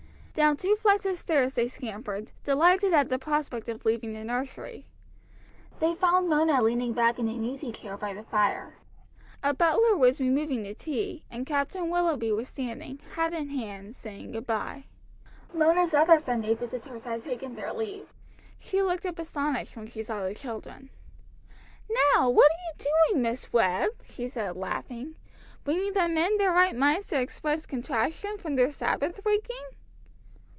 Down two flights of stairs they scampered, delighted at the prospect of leaving the nursery. They found Mona leaning back in an easy chair by the fire. A butler was removing the tea, and Captain Willoughby was standing, hat in hand, saying good bye. Mona's other Sunday visitors had taken their leave. She looked up astonished when she saw the children. "Now, what are you doing, Miss Webb?" she said, laughing. "Bringing them in their right minds to express contrition for their Sabbath breaking?"